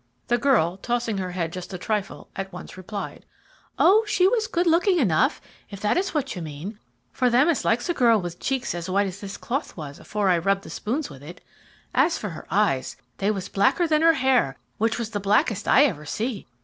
The girl, tossing her head just a trifle, at once replied: "O she was good looking enough, if that is what you mean, for them as likes a girl with cheeks as white as this cloth was afore I rubbed the spoons with it. As for her eyes, they was blacker than her hair, which was the blackest I ever see.